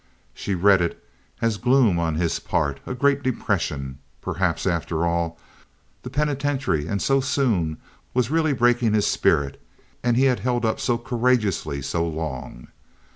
She read it as gloom on his part—as great depression. Perhaps, after all, the penitentiary and so soon, was really breaking his spirit, and he had held up so courageously so long.